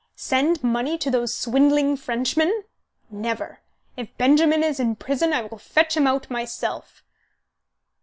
"Send money to those swindling Frenchmen? Never! If Benjamin is in prison I will fetch him out myself."